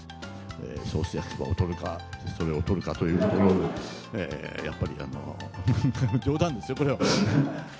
ソース焼きそばを取るか、それを取るかというところで、やっぱり、冗談ですよ、これは。